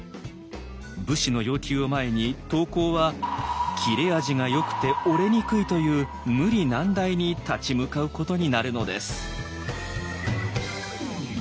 武士の要求を前に刀工は「切れ味がよくて折れにくい」という無理難題に立ち向かうことになるのです。